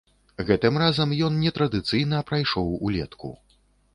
Гэтым разам ён нетрадыцыйна прайшоў улетку.